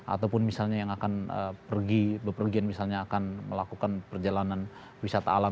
ataupun misalnya yang akan pergi bepergian misalnya akan melakukan perjalanan wisata alam